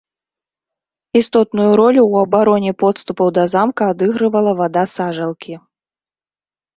Істотную ролю ў абароне подступаў да замка адыгрывала вада сажалкі.